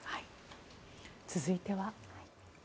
続いては。